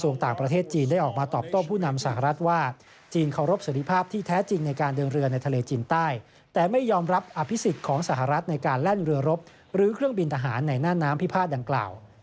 ในหน้าน้ำพิพาทดังกล่าว